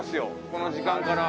この時間から。